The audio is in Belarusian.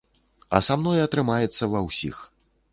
А са мной атрымаецца ва ўсіх.